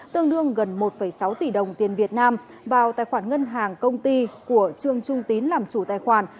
tương đương gần một sáu tỷ đồng tiền việt nam vào tài khoản ngân hàng công ty của trương trung tín làm chủ tài khoản